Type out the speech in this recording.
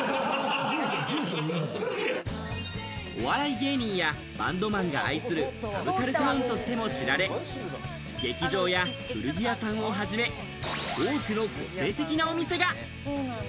お笑い芸人やバンドマンが愛するサブカルタウンとしても知られ、劇場や古着屋さんをはじめ、多くの個性的なお店が。